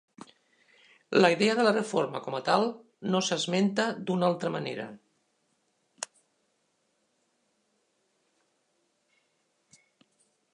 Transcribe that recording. La idea de la reforma com a tal no s'esmenta d'una altra manera.